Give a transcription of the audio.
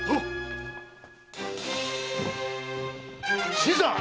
新さん！